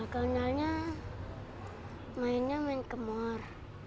kenalnya mainnya main kemor